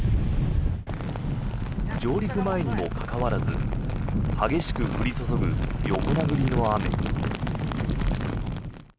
上陸前にもかかわらず激しく降り注ぐ横殴りの雨。